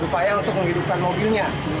lupanya untuk menghidupkan mobilnya